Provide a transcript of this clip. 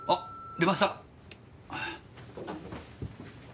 出ました。